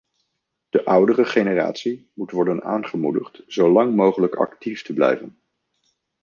De oudere generatie moet worden aangemoedigd zo lang mogelijk actief te blijven.